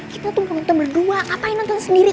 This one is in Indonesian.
kita tuh nonton berdua apain nonton sendiri